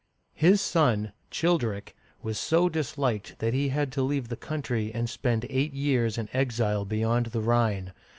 His son, Chil'deric, was so disliked that he had to leave the country and spend eight years in exile beyond the Rhine.